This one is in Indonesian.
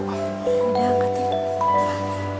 udah angkat ya